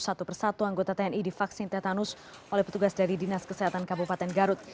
satu persatu anggota tni divaksin tetanus oleh petugas dari dinas kesehatan kabupaten garut